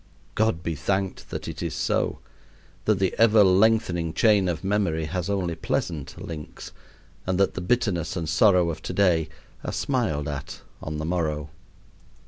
God be thanked that it is so that the ever lengthening chain of memory has only pleasant links, and that the bitterness and sorrow of to day are smiled at on the morrow.